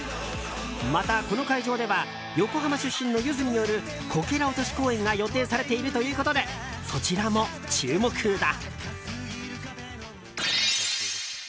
また、この会場では横浜出身のゆずによるこけら落とし公演が予定されているということでそちらも注目だ。